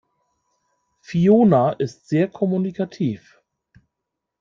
Fiona ist sehr kommunikativ.